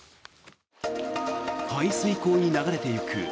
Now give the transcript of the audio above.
排水溝に流れてゆく